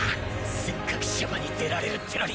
せっかくシャバに出られるってのに！